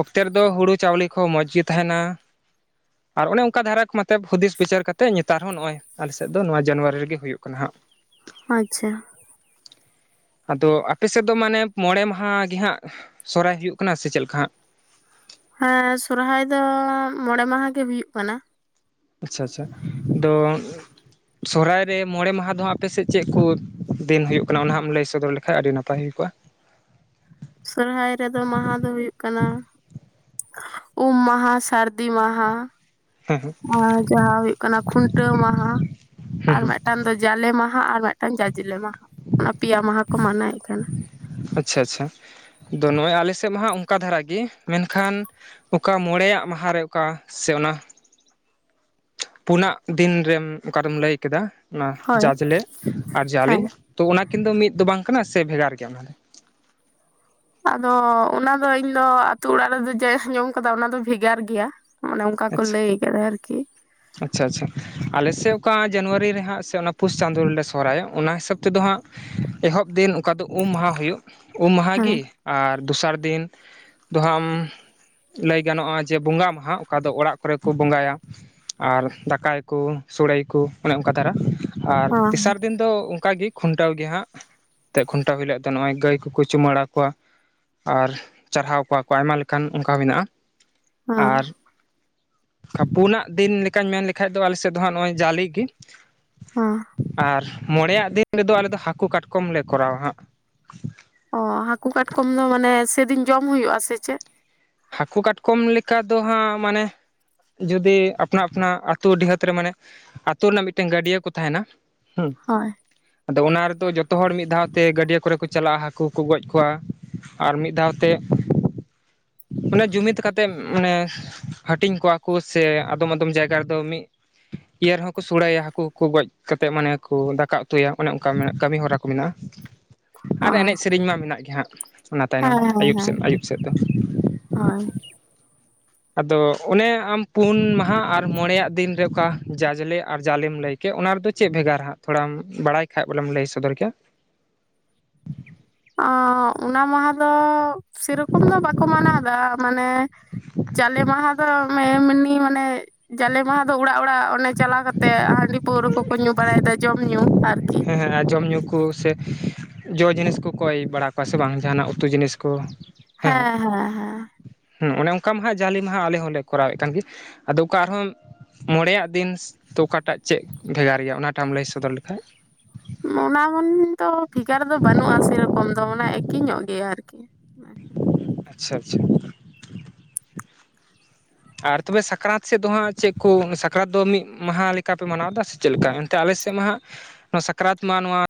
ᱚᱠᱛᱮ ᱨᱮᱫᱚ ᱫᱚ ᱦᱳᱲᱳ ᱪᱟᱣᱞᱮ ᱠᱚ ᱾ ᱠᱚ ᱢᱚᱡᱽ ᱜᱮ ᱛᱟᱸᱦᱮᱱᱟ ᱟᱨ ᱚᱱᱮ ᱚᱱᱠᱟ ᱫᱷᱟᱨᱟ ᱠᱚᱢᱟᱛᱼᱼ ᱯᱷᱩᱫᱤᱥ ᱵᱤᱪᱟᱹᱨ ᱠᱟᱛᱮᱜ ᱱᱮᱛᱟᱨ ᱦᱚᱸ ᱱᱚᱜᱼᱚᱭ ᱟᱞᱮ ᱥᱮᱫ ᱫᱚ ᱱᱚᱣᱟ ᱡᱟᱹᱱᱩᱣᱟᱹᱨᱤ ᱨᱮᱜᱮ ᱦᱩᱭᱩᱜ ᱠᱟᱱᱟ ᱦᱟᱸᱜ ᱾ ᱟᱪᱪᱷᱟ ᱾ [inaudible] ᱟᱫᱚ, ᱟᱯᱮᱥᱮᱫ ᱫᱚ ᱢᱟᱱᱮ ᱢᱚᱬᱮ ᱢᱟᱦᱟ ᱜᱮ ᱦᱟᱸᱜ ᱥᱚᱦᱚᱨᱟᱭ ᱦᱩᱭᱩᱜ ᱠᱟᱱᱟ ᱥᱮ ᱪᱮᱜ ᱞᱮᱠᱟ ᱦᱟᱸᱜ? ᱦᱮᱸ ᱥᱚᱨᱦᱟᱭ ᱫᱚ ᱢᱚᱬᱮ ᱢᱟᱦᱟ ᱜᱮ ᱦᱩᱭᱩᱜ ᱠᱟᱱᱟ ᱾ ᱟᱪᱪᱷᱟ ᱟᱪᱪᱷᱟ, ᱟᱫᱚ ᱥᱚᱦᱚᱨᱟᱭ ᱨᱮ ᱢᱚᱬᱮ ᱢᱟᱦᱟ ᱫᱚ ᱦᱟᱸᱜ ᱟᱯᱮ ᱥᱮᱫ ᱪᱮᱜ ᱠᱩ ᱫᱤᱱ ᱦᱩᱭᱩᱜ ᱠᱟᱱᱟ ᱚᱱᱟ ᱦᱚᱢ ᱞᱟᱹᱭ ᱥᱚᱫᱚᱨ ᱞᱮᱠᱷᱟᱡ ᱟᱹᱰᱤ ᱱᱟᱯᱟᱭ ᱦᱩᱭ ᱠᱚᱜᱼᱟ ᱾ ᱥᱚᱨᱦᱟᱭ ᱨᱮᱫᱚ ᱢᱟᱦᱟ ᱫᱚ ᱦᱩᱭᱩᱜ ᱠᱟᱱᱟᱼᱼ ᱩᱢ ᱢᱟᱦᱟ ᱥᱟᱹᱨᱫᱤ ᱢᱟᱦᱟ ᱾ ᱦᱮᱸ ᱦᱮᱸ ᱟᱨ ᱡᱟᱦᱟᱸ ᱦᱩᱭᱩᱜ ᱠᱟᱱᱟ ᱠᱷᱩᱱᱴᱟᱹᱣ ᱢᱟᱦᱟ ᱦᱩᱸ ᱟᱨ ᱦᱩᱸ ᱢᱮᱫᱴᱟᱝ ᱢᱤᱫᱴᱟᱝ ᱫᱚ ᱡᱟᱞᱮ ᱢᱟᱦᱟ ᱟᱨ ᱢᱤᱫᱴᱟᱝ ᱡᱟᱡᱽᱞᱮ ᱢᱟᱦᱟ ᱚᱱᱟ ᱯᱮᱭᱟ ᱢᱟᱦᱟ ᱠᱚ ᱢᱟᱱᱟᱣ ᱮᱜ ᱛᱷᱮᱱᱟ ᱟᱪᱪᱷᱟ ᱟᱪᱪᱷᱟ ᱫᱚ ᱱᱚᱜᱼᱚᱭ ᱟᱞᱮ ᱥᱮᱫ ᱢᱟ ᱦᱟᱜ ᱚᱱᱠᱟ ᱫᱷᱟᱨᱟ ᱜᱤ ᱢᱮᱱᱠᱷᱟᱱ ᱚᱠᱟ ᱢᱚᱲᱮᱭᱟᱜ ᱢᱟᱦᱟ ᱨᱮ ᱚᱠᱟ ᱥᱮ ᱚᱱᱟ ᱯᱩᱱᱟᱜ ᱫᱤᱱᱨᱮᱢ ᱚᱠᱟᱨᱮᱢ ᱞᱟᱹᱭ ᱠᱮᱫᱟ ᱚᱱᱟ ᱦᱳᱭ ᱡᱟᱡᱽᱞᱮ ᱟᱨ ᱡᱟᱞᱮ ᱦᱮᱸ ᱛᱚ ᱚᱱᱟ ᱠᱤᱱ ᱫᱚ ᱢᱤᱫ ᱫᱚ ᱵᱟᱝ ᱠᱟᱱᱟ ᱥᱮ ᱵᱷᱮᱜᱟᱨ ᱜᱮᱭᱟ ᱚᱱᱟᱨᱮ ᱟᱫᱚ ᱚᱱᱟ ᱫᱚ ᱤᱧ ᱫᱚ ᱟᱹᱛᱩ ᱚᱲᱟᱜ ᱨᱮᱫᱚ ᱡᱟᱭ ᱟᱸᱡᱚᱢ ᱠᱟᱫᱟ ᱚᱱᱟ ᱫᱚ ᱵᱷᱮᱜᱟᱨ ᱜᱮᱭᱟ᱾ ᱚᱱᱮ ᱚᱝᱠᱟ ᱠᱚ ᱟᱪᱪᱷᱟ ᱞᱟᱹᱭ ᱟᱠᱟ ᱟᱨᱠᱤ ᱟᱪᱪᱷᱟ ᱟᱪᱪᱷᱟ ᱟᱞᱮᱥᱮ ᱚᱠᱟ ᱡᱟᱱᱩᱣᱟᱨᱤ ᱨᱮ ᱦᱟᱸᱜ ᱥᱮ ᱚᱱᱟ ᱯᱩᱥ ᱪᱟᱸᱫᱳ ᱨᱮᱞᱮ ᱥᱚᱦᱚᱨᱟᱭᱚ ᱚᱱᱟ ᱦᱤᱥᱟᱹᱵ ᱛᱮᱫᱚ ᱦᱟᱸᱜ ᱮᱦᱚᱵ ᱫᱤᱱ ᱚᱠᱟ ᱫᱚ ᱩᱢ ᱢᱟᱦᱟ ᱦᱩᱭᱩᱜ ᱩᱢ ᱢᱟᱦᱟ ᱦᱮᱸ ᱜᱤ? ᱟᱨ ᱫᱚᱥᱟᱨ ᱫᱤᱱ ᱫᱚ ᱦᱟᱸᱢ ᱞᱟᱹᱭ ᱜᱟᱱᱚᱜᱼᱟ ᱡᱮ ᱵᱚᱸᱜᱟ ᱢᱟᱦᱟ ᱚᱠᱟ ᱫᱚ ᱚᱲᱟᱜ ᱠᱚᱨᱮ ᱠᱚ ᱵᱚᱸᱜᱟᱭᱟ ᱟᱨ ᱫᱟᱠᱟᱭᱠᱚ ᱥᱚᱲᱮᱭᱟᱠᱚ ᱚᱱᱮ ᱚᱱᱠᱟ ᱫᱟᱨᱟ ᱟᱨ ᱦᱮᱸ ᱛᱮᱥᱟᱨ ᱫᱤᱱ ᱫᱚ ᱚᱝᱠᱟᱜᱤ ᱠᱷᱩᱱᱴᱟᱹᱣ ᱜᱮ ᱦᱟᱸᱜ ᱛᱮ ᱠᱷᱩᱱᱴᱟᱹᱣ ᱦᱩᱭᱞᱳᱜ ᱫᱚ ᱱᱚᱜ-ᱚᱭ ᱜᱟᱹᱭ ᱠᱚᱠᱚ ᱪᱩᱢᱟᱹᱲᱟ ᱠᱚᱣᱟ᱾ ᱟᱨ ᱪᱟᱨᱦᱟᱣ ᱠᱚᱣᱟ ᱠᱚ ᱟᱭᱢᱟ ᱞᱮᱠᱟᱱ ᱚᱱᱠᱟ ᱢᱮᱱᱟᱜᱼᱟ᱾ ᱟᱨ ᱦᱟᱸ ᱯᱩᱱᱟᱜ ᱫᱤᱱ ᱞᱮᱠᱟᱧ ᱢᱮᱱ ᱞᱮᱠᱷᱟᱡ ᱫᱚ ᱟᱞᱮ ᱥᱮᱫ ᱫᱚ ᱦᱟᱸᱜ ᱱᱚᱜᱼᱚᱭ ᱡᱟᱞᱤ ᱜᱤ᱾ [unintelligible] ᱟᱨ ᱢᱚᱲᱮᱭᱟᱜ ᱫᱤᱱ ᱨᱮᱫᱚ ᱟᱞᱮ ᱫᱚ ᱦᱟᱹᱠᱳ ᱠᱟᱴᱠᱚᱢ ᱞᱮ ᱠᱚᱨᱟᱣ-ᱟ ᱦᱟᱸᱜ᱾ ᱚ ᱦᱟᱹᱠᱩ ᱠᱟᱴᱠᱚᱢ ᱫᱚ ᱢᱟᱱᱮ ᱥᱮᱫᱤᱱ ᱡᱚᱢ ᱦᱩᱭᱩᱜᱼᱟ? ᱥᱮ ᱪᱮᱫ ᱦᱟᱹᱠᱳ ᱠᱟᱴᱠᱚᱢ ᱞᱮᱠᱟ ᱫᱚ ᱦᱟᱸᱜ ᱢᱟᱱᱮ ᱡᱩᱫᱤ ᱟᱯᱱᱟ ᱟᱯᱱᱟ ᱟᱛᱳ ᱰᱤᱦᱟᱹᱛ ᱨᱮ ᱢᱟᱱᱮ ᱟᱛᱳ ᱨᱮᱱᱟᱜ ᱢᱤᱫᱴᱮᱱ ᱜᱟᱹᱰᱭᱟᱹ ᱠᱚ ᱛᱟᱦᱮᱱᱟ ᱦᱮᱸ ᱦᱳᱭ ᱟᱫᱚ ᱚᱱᱟ ᱨᱮᱫᱚ ᱡᱚᱛᱚ ᱦᱚᱲ ᱢᱤᱫ ᱫᱷᱟᱣᱛᱮ ᱜᱟᱹᱰᱭᱟᱹ ᱠᱚᱨᱮ ᱠᱚ ᱪᱟᱞᱟᱜᱼᱟ ᱦᱟᱹᱠᱩ ᱠᱚ ᱜᱚᱡ ᱠᱚᱣᱟ ᱟᱨ ᱢᱤᱫ ᱫᱷᱟᱣᱛᱮ ᱚᱱᱮ ᱡᱩᱢᱤᱛ ᱠᱟᱛᱮᱢ ᱢᱟᱱᱮ ᱦᱟᱹᱴᱤᱧ ᱠᱚᱣᱟ ᱠᱳ ᱥᱮ ᱟᱫᱚᱢ ᱟᱫᱚᱢ ᱡᱟᱭᱜᱟ ᱨᱮᱫᱚ ᱢᱤᱫ ᱤᱭᱟᱹ ᱨᱮᱦᱚᱸᱠᱚ ᱥᱳᱲᱮᱭᱟ ᱦᱟᱹᱠᱩ ᱠᱚ ᱜᱚᱡ ᱠᱟᱛᱮᱫ ᱢᱟᱱᱮ ᱠᱚ ᱫᱟᱠᱟ ᱩᱛᱩᱭᱟ ᱚᱱᱮ ᱚᱝᱠᱟ ᱠᱟᱹᱢᱤ ᱦᱚᱨᱟ ᱠᱚ ᱢᱮᱱᱟᱜᱼᱟ᱾ ᱚ ᱟᱨ ᱮᱱᱮᱡ ᱥᱮᱨᱮᱧ ᱢᱟ ᱢᱮᱱᱟᱜ ᱜᱮ ᱦᱟᱸᱜ ᱚᱱᱟ ᱛᱟᱭᱱᱚᱢ ᱦᱮᱸ ᱦᱮᱸ ᱟᱭᱩᱵ ᱦᱮᱸ ᱥᱮᱫ ᱟᱭᱩᱵ ᱥᱮᱫ ᱫᱚ᱾ ᱦᱳᱭ ᱟᱫᱚ ᱚᱱᱮ ᱟᱢ ᱯᱩᱱ ᱢᱟᱦᱟ ᱟᱨ ᱢᱚᱲᱮᱭᱟᱜ ᱫᱤᱱ ᱨᱮ ᱚᱠᱟ ᱡᱟᱡᱽᱞᱮ ᱟᱨ ᱡᱟᱞᱮᱢ ᱞᱟᱹᱭ ᱠᱮᱜ ᱚᱱᱟ ᱨᱮᱫᱚ ᱪᱮᱫ ᱵᱷᱮᱜᱟᱨ ᱦᱟᱜ ᱛᱷᱚᱲᱟᱢ ᱵᱟᱲᱟᱭ ᱠᱷᱟᱜ ᱵᱚᱞᱮᱢ ᱞᱟᱹᱭ ᱥᱚᱫᱚᱨ ᱠᱮᱭᱟ᱾ ᱚᱸ ᱚᱱᱟ ᱢᱟᱦᱟ ᱫᱚ ᱥᱮᱨᱚᱠᱚᱢ ᱫᱚ ᱵᱟᱠᱚ ᱢᱟᱱᱟᱣᱫᱟ ᱢᱟᱱᱮ ᱪᱟᱞᱮ ᱢᱟᱦᱟ ᱫᱚ ᱢᱮ ᱮᱢᱱᱤ ᱢᱟᱱᱮ ᱡᱟᱞᱮ ᱢᱟᱦᱟ ᱫᱚ ᱚᱲᱟᱜ ᱚᱲᱟᱜ ᱚᱱᱮ ᱪᱟᱞᱟᱣ ᱠᱟᱛᱮᱜ ᱦᱟᱺᱰᱤ ᱯᱟᱹᱣᱨᱟᱹ ᱠᱚᱠᱚ ᱧᱩ ᱵᱟᱲᱟᱭᱮᱫᱟ ᱡᱚᱢ ᱧᱩ ᱟᱨᱠᱤ ᱦᱮᱸ ᱦᱮᱸ ᱡᱚᱢ ᱧᱩ ᱠᱩ ᱥᱮ ᱡᱚ ᱡᱤᱱᱤᱥ ᱠᱚ ᱠᱚᱭ ᱵᱟᱲᱟ ᱠᱚᱣᱟ ᱥᱮ ᱵᱟᱝ ᱡᱟᱦᱟᱱᱟᱜ ᱩᱛᱩ ᱡᱤᱱᱤᱥ ᱠᱚ᱾ ᱦᱮᱸ ᱦᱮᱸ ᱦᱮᱸ᱾ ᱦᱮᱸ ᱚᱱᱮ ᱚᱱᱠᱟ ᱢᱟᱦᱟᱜ ᱡᱟᱞᱮ ᱢᱟᱦᱟ ᱟᱞᱮ ᱦᱚᱸᱞᱮ ᱠᱚᱨᱟᱣᱮᱫ ᱠᱟᱱ ᱜᱮ ᱟᱫᱚ ᱚᱠᱟ ᱟᱨᱦᱚᱸᱼᱼ ᱢᱚᱬᱮᱭᱟᱜ ᱫᱤᱱ ᱛᱚ ᱚᱠᱟᱴᱟᱜ ᱪᱮᱜ ᱵᱷᱮᱜᱟᱨ ᱜᱮᱭᱟ, ᱚᱱᱟᱴᱟᱜ ᱮᱢ ᱞᱟᱹᱭ ᱥᱚᱫᱚᱨ ᱞᱮᱠᱷᱟᱜᱼᱼ ᱚᱱᱟ ᱢᱟᱱᱮ ᱫᱚ ᱵᱷᱮᱜᱟᱨ ᱫᱚ ᱵᱟᱹᱱᱩᱜᱼᱟ ᱥᱮᱨᱚᱠᱚᱢ ᱫᱚ ᱚᱱᱟ ᱮᱠᱤ ᱧᱚᱜ ᱜᱮᱭᱟ ᱟᱨᱠᱤ᱾ ᱟᱪᱪᱷᱟ ᱟᱪᱪᱷᱟ᱾ ᱟᱨ ᱛᱚᱵᱮ ᱥᱟᱠᱨᱟᱛ ᱥᱮᱫ ᱫᱚ ᱦᱟᱸᱜ ᱪᱮᱫ ᱠᱚ ᱥᱟᱠᱨᱟᱛ ᱫᱚ ᱢᱤᱫ ᱢᱟᱦᱟ ᱞᱮᱠᱟ ᱯᱮ ᱢᱟᱱᱟᱣ ᱮᱫᱟ ᱥᱮ? ᱪᱮᱫ ᱞᱮᱠᱟ ᱮᱱᱛᱮ ᱟᱞᱮ ᱥᱮᱫ ᱢᱟ ᱦᱟᱸᱜ ᱱᱚᱣᱟ ᱥᱟᱠᱨᱟᱛ ᱢᱟ ᱱᱚᱣᱟ᱾